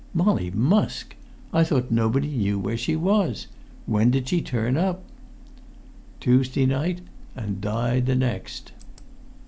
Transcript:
"Molly Musk! I thought nobody knew where she was? When did she turn up?" "Tuesday night, and died the next."